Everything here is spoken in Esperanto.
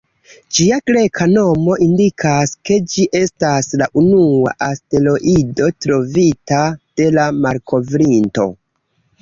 Ĝia greka nomo indikas, ke ĝi estas la unua asteroido trovita de la malkovrinto.